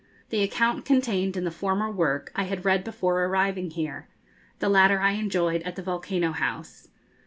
The account contained in the former work I had read before arriving here; the latter I enjoyed at the 'Volcano House.'